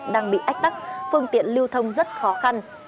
đang bị ách tắc phương tiện lưu thông rất khó khăn